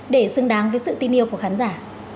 để xứng đáng với sự tin yêu của khán giả